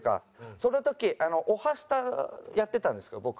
その時『おはスタ』やってたんですけど僕。